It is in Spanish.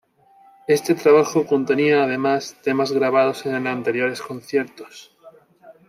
Este trabajó contenía además temas grabados en anteriores conciertos.